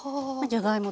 じゃがいも？